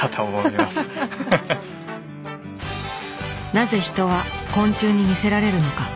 なぜ人は昆虫に魅せられるのか？